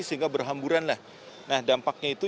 sehingga berhamburan lah nah dampaknya itu